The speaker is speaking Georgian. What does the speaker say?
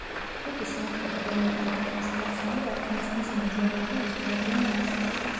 თუკი საქმრო, რომელიმე თამაშს თავს ვერ ართმევს, მისი მეჯვარეები ეხმარებიან მას.